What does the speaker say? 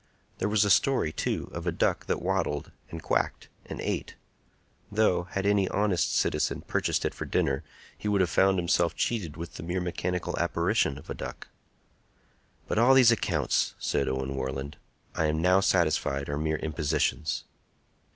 There was a story, too, of a duck that waddled, and quacked, and ate; though, had any honest citizen purchased it for dinner, he would have found himself cheated with the mere mechanical apparition of a duck. "But all these accounts," said Owen Warland, "I am now satisfied are mere impositions."